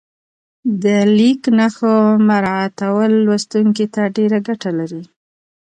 د لیک نښو مراعاتول لوستونکي ته ډېره ګټه لري.